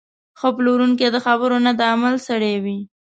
ښه پلورونکی د خبرو نه، د عمل سړی وي.